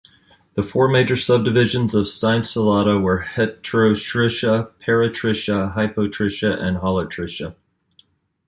The four major subdivisions of Stein's Ciliata were: Heterotricha, Peritricha, Hypotricha and Holotricha.